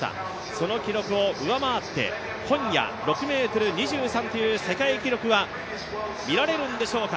その記録を上回って今夜、６ｍ２３という世界記録は見られるんでしょうか。